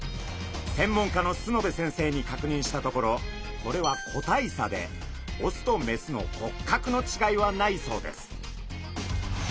専門家の須之部先生に確認したところこれは個体差でオスとメスの骨格の違いはないそうです。